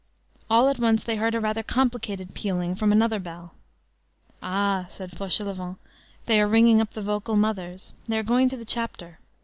All at once they heard a rather complicated pealing from another bell. "Ah!" said Fauchelevent, "they are ringing up the vocal mothers. They are going to the chapter.